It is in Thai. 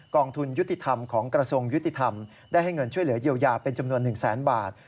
องทุนยุติธรรมของกระทรวงยุติธรรมได้ให้เงินช่วยเหลือเยียวยาเป็นจำนวน๑แสนบาท